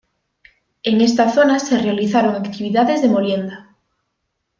En esta zona se realizaron actividades de molienda.